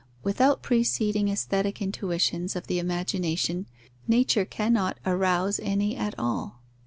Without preceding aesthetic intuitions of the imagination, nature cannot arouse any at all.